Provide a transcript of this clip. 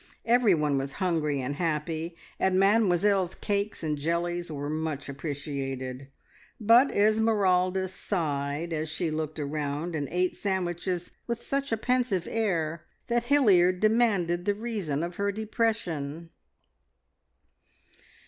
Everyone was hungry and happy, and Mademoiselle's cakes and jellies were much appreciated; but Esmeralda sighed as she looked around, and ate sandwiches with such a pensive air that Hilliard demanded the reason of her depression.